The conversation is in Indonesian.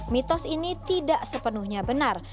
mitos ini tidak sepenuhnya benar